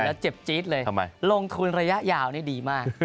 เห็นแล้วเจ็บจี๊ดเลยทำไมลงทุนระยะยาวนี่ดีมาก